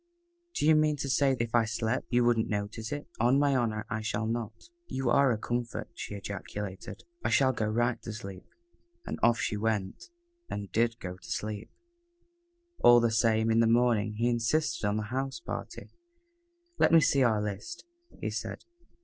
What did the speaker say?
"Do you mean to say that if I slept you wouldn't notice it?" "On my honor I should not." "You are a comfort," she ejaculated. "I shall go right to sleep." And off she went, and did go to sleep. All the same, in the morning, he insisted on the house party. "Let me see our list," he said.